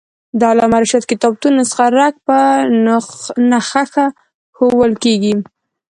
د علامه رشاد کتابتون نسخه رک په نخښه ښوول کېږي.